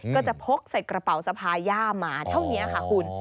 ก็จะพกใส่กระเป๋าสะพาย่ามาเท่านี้ค่ะคุณ